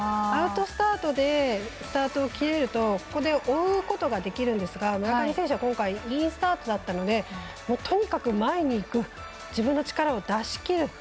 アウトスタートでスタート切れると追うことができるんですが村上選手は今回インスタートだったのでとにかく前に自分の力を出しきる。